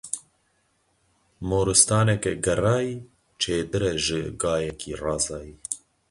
Moristaneke gerayî, çêtir e ji gayekî razayî.